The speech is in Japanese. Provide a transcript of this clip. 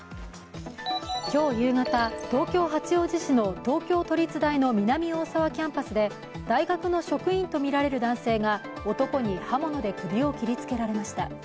今日夕方、東京・八王子市の東京都立大の南大沢キャンパスで大学の職員とみられる男性が男に刃物で首を切りつけられました。